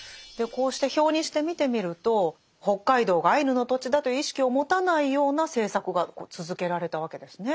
こうして表にして見てみると北海道がアイヌの土地だという意識を持たないような政策が続けられたわけですね。